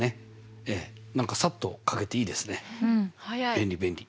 便利便利。